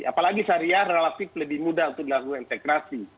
apalagi syariah relatif lebih mudah untuk dilakukan integrasi